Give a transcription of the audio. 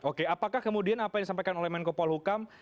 oke apakah kemudian apa yang disampaikan oleh menko polhukam